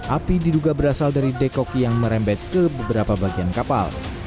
api diduga berasal dari dekoki yang merembet ke beberapa bagian kapal